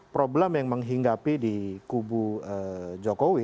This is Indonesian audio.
problem yang menghinggapi di kubu jokowi